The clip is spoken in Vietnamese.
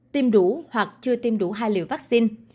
tiêm đủ hoặc chưa tiêm đủ hai liều vaccine